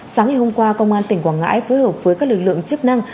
sáng ngày hôm qua công an tỉnh quảng ngãi phối hợp với các lực lượng chức năng